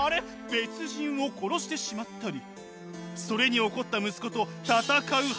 別人を殺してしまったりそれに怒った息子と戦うはめになったり。